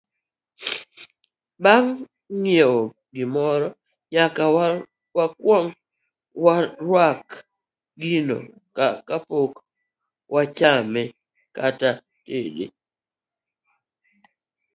Bang' ng'iewo gimoro, nyaka wakwong walwok gino kapok wachame kata tedo.